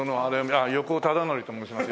あっ横尾忠則と申します。